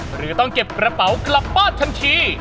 หรือต้องเก็บกระเป๋ากลับบ้านทันที